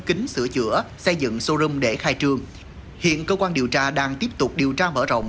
kính sửa chữa xây dựng showroom để khai trương hiện cơ quan điều tra đang tiếp tục điều tra mở rộng